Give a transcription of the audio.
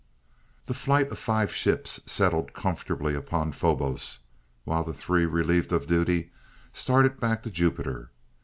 The flight of five ships settled comfortably upon Phobos, while the three relieved of duty started back to Jupiter.